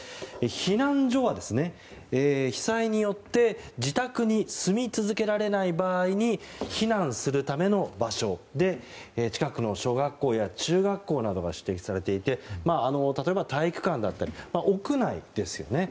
避難所は被災によって自宅に住み続けられない場合に避難するための場所で近くの小学校や中学校などが指定されていて例えば、体育館だったり屋内ですよね。